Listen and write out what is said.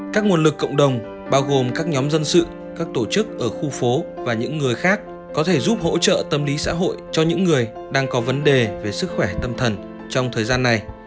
các nguồn lực cộng đồng bao gồm các nhóm dân sự các tổ chức ở khu phố và những người khác có thể giúp hỗ trợ tâm lý xã hội cho những người đang có vấn đề về sức khỏe tâm thần trong thời gian này